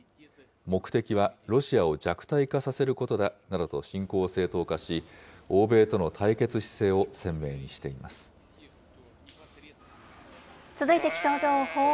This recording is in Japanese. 目的は、ロシアを弱体化させることだなどと侵攻を正当化し、欧米との対決続いて気象情報。